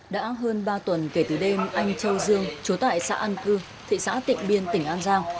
đã hơn ba tuần kể từ đêm anh châu dương chú tại xã an cư thị xã tịnh biên tỉnh an giang